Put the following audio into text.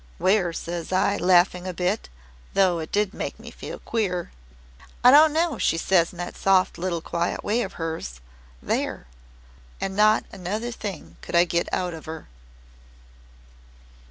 "'Where?' says I, laughing a bit, though it did make me feel queer. "'I don't know' she says in that soft little quiet way of hers. 'There.' And not another thing could I get out of her."